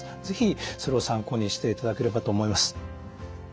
是非それを参考にしていただければと思います。